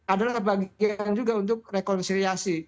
adalah bagian juga untuk rekonsiliasi